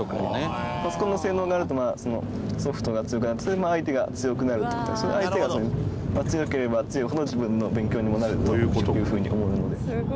パソコンの性能が上がるとソフトが強くなって相手が強くなるって事は相手が強ければ強いほど自分の勉強にもなるという風に思うので。